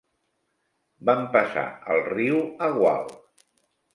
Vam passar el riu a gual.